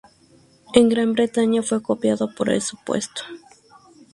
En Gran Bretaña fue copiado como ¡Por supuesto!